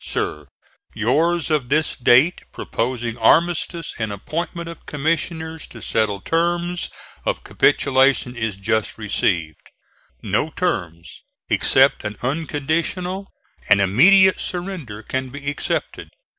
SIR: Yours of this date, proposing armistice and appointment of Commissioners to settle terms of capitulation, is just received. No terms except an unconditional and immediate surrender can be accepted.